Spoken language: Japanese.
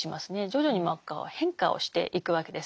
徐々に変化をしていくわけです。